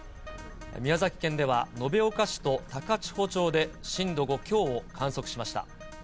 宮崎県では延岡市と高千穂町で震度５強を観測しました。